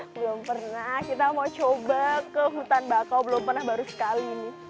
belum pernah kita mau coba ke hutan bakau belum pernah baru sekali nih